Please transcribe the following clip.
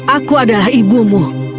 aku adalah ibumu